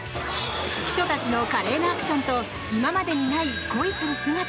秘書たちの華麗なアクションと今までにない恋する姿。